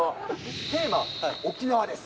テーマは沖縄です。